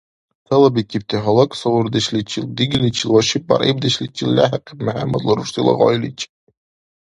Цалабикибти гьалаксаурдешличил, дигиличил ва шипӀбяргӀибдешличил лехӀахъиб МяхӀяммадла рурсила гъайличи.